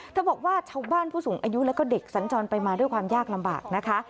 ชาวบ้านบอกว่าชาวบ้านผู้สูงอายุแล้วก็เด็กสัญจรไปมาด้วยความยากลำบากนะคะ